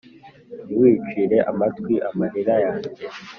Ntiwicire amatwi amarira yanjye